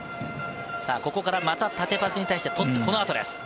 ここから、また縦パスに対してこの後です。